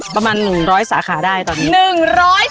ประมาณ๑๐๐สาขาได้ตอนนี้